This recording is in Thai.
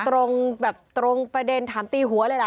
ตรงแบบตรงประเด็นถามตีหัวเลยเหรอ